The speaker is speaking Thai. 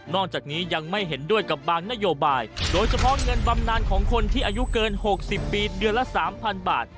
จากนี้ยังไม่เห็นด้วยกับบางนโยบายโดยเฉพาะเงินบำนานของคนที่อายุเกิน๖๐ปีเดือนละ๓๐๐บาท